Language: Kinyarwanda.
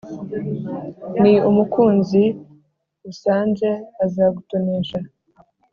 ni umukunzi usanze azagutoneshaaa